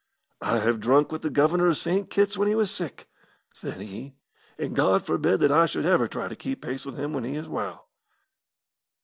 "I have drunk with the Governor of St. Kitt's when he was sick," said he, "and God forbid that I should ever try to keep pace with him when he is well."